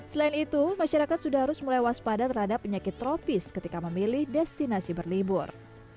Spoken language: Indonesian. selain itu masyarakat sudah harus mulai waspada terhadap penyakit tropis ketika memilih destinasi berlibur